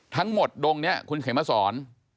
ทั้งหมดดงนี้คุณเขมสอน